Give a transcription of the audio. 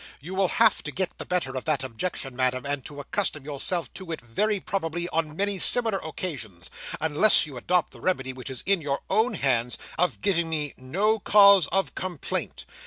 You will have to get the better of that objection, Madam, and to accustom yourself to it very probably on many similar occasions; unless you adopt the remedy which is in your own hands, of giving me no cause of complaint.